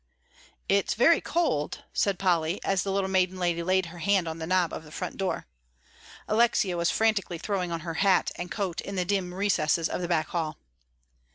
"It's very cold," said Polly, as the little maiden lady laid her hand on the knob of the front door. Alexia was frantically throwing on her hat and coat in the dim recesses of the back hall.